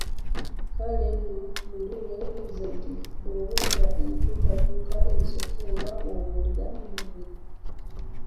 Kale nno muli weebuuze nti, bw'owulira enkyukakyuka ezo oba bw'oziraba ku mubiri?